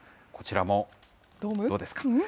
こちらもどうですか。